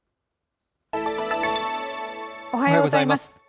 おはようございます。